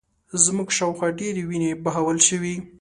زموږ شا و خوا ډېرې وینې بهول شوې